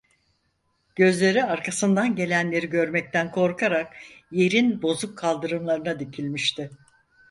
Gözleri, arkasından gelenleri görmekten korkarak, yerin bozuk kaldırımlarına dikilmişti.